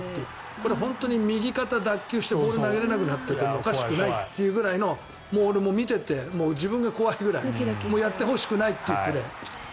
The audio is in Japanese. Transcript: これ、本当に右肩脱臼してボールを投げられなくなってもおかしくないというぐらいの俺も見ていて自分が怖いぐらいもうやってほしくないというプレー。